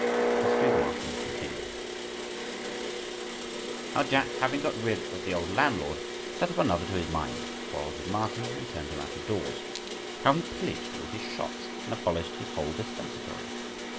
THE HISTORY OF MARTIN—Continued. How Jack, having got rid of the old landlord, set up another to his mind, quarrelled with Martin, and turned him out of doors. How he pillaged all his shops, and abolished his whole dispensatory.